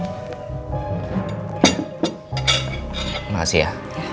terima kasih ya